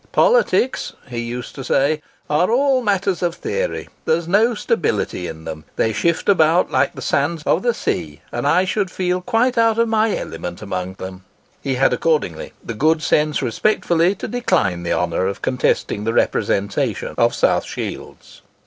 "Politics," he used to say, "are all matters of theory—there is no stability in them: they shift about like the sands of the sea: and I should feel quite out of my element amongst them." He had accordingly the good sense respectfully to decline the honour of contesting the representation of South Shields.